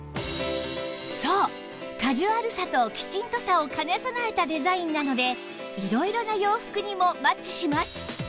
そうカジュアルさとキチンとさを兼ね備えたデザインなので色々な洋服にもマッチします